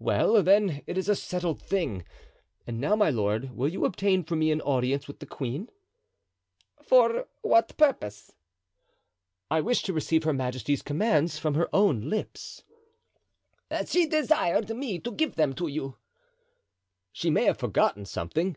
"Well, then, it is a settled thing; and now, my lord, will you obtain for me an audience with the queen?" "For what purpose?" "I wish to receive her majesty's commands from her own lips." "She desired me to give them to you." "She may have forgotten something."